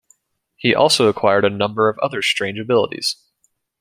He also acquired a number of other strange abilities.